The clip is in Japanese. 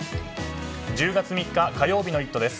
１０月３日、火曜日の「イット！」です。